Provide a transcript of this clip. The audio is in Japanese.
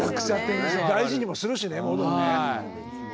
大事にもするしね。